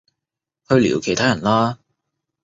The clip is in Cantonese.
去聊其他人啦